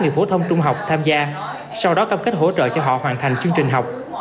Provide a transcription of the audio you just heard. nghiệp phổ thông trung học tham gia sau đó cam kết hỗ trợ cho họ hoàn thành chương trình học